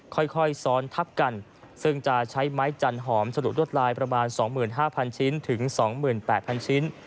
ค่อยซ้อนทับกันซึ่งจะใช้ไม้จันหอมสะดุดลายประมาณ๒๕๐๐ชิ้นถึง๒๘๐๐ชิ้น